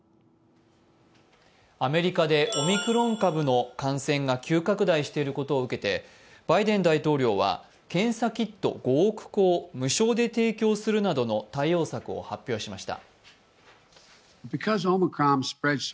アメリカでオミクロン株の感染が急拡大していることを受けてバイデン大統領は検査キット５億個を無償で提供するなどの対応策を発表しました。